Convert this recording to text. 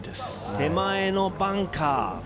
手前のバンカー。